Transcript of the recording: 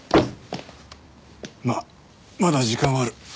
まあまだ時間はある。